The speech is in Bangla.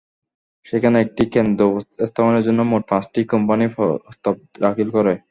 সেখানে একটি কেন্দ্র স্থাপনের জন্য মোট পাঁচটি কোম্পানি প্রস্তাব দাখিল করে।